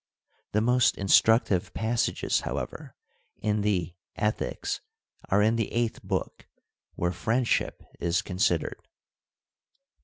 The most instructive passages, however, in the Ethics are in the Eighth Book, where friendship is considered.